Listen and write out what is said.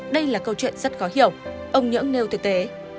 đây là câu chuyện rất khó hiểu ông nhưỡng nêu thực tế